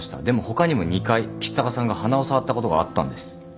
でも他にも２回橘高さんが鼻を触ったことがあったんです。